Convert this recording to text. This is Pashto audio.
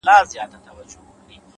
هڅه د تقدیر دروازې ټکوي؛